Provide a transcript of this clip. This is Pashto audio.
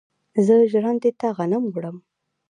زه ژرندې ته غنم وړم.